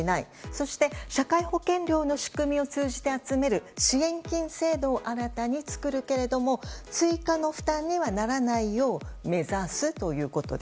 そして、社会保険料の仕組みを通じて集める支援金制度を新たに作るけれども追加の負担にはならないよう目指すということで。